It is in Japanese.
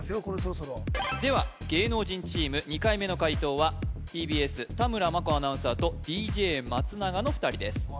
これそろそろでは芸能人チーム２回目の解答はＴＢＳ田村真子アナウンサーとＤＪ松永の２人です